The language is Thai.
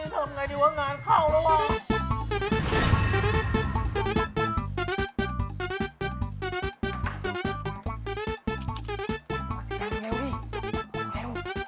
ทำไงดีวะงานเข้าแล้ว